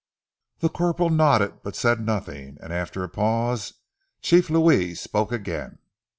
The corporal nodded, but said nothing, and after a pause Chief Louis spoke again.